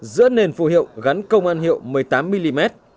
giữa nền phù hiệu gắn công an hiệu một mươi tám mm